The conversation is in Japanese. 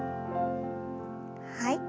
はい。